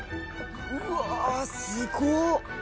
うわあすごっ！